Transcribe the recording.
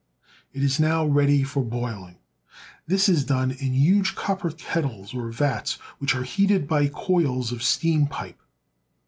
It is now ready for boiling. This is done in huge cop per kettles or vats, which are heated by coils of steam pipe.